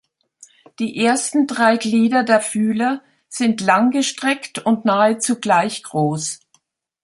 Die ersten drei Glieder der Fühler sind langgestreckt und nahezu gleich groß.